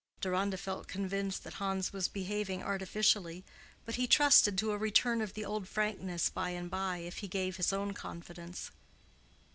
Deronda felt convinced that Hans was behaving artificially, but he trusted to a return of the old frankness by and by if he gave his own confidence.